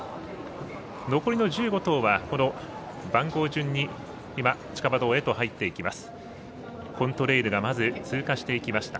残りの１５頭は番号順に今地下馬道へと入っていきます。